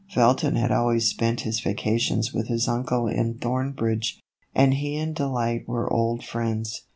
Felton had always spent his vacations with his uncle in Thornbridge, and he and Delight were old friends.